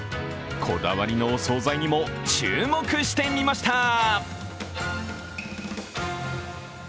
こだわりのお総菜にも注目してみました。